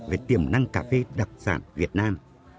về tiềm năng cà phê đặc sản việt nam